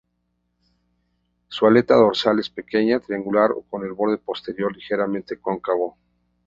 Su aleta dorsal es pequeña, triangular o con el borde posterior ligeramente cóncavo.